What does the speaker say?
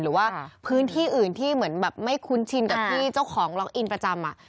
หรือว่าพื้นที่อื่นที่เหมือนแบบไม่คุ้นชินกับที่เจ้าของล็อกอินประจำ